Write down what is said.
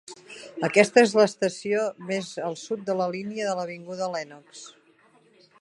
Aquesta és l'estació més al sud de la línia de l'avinguda Lenox.